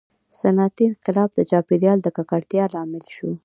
• صنعتي انقلاب د چاپېریال د ککړتیا لامل شو.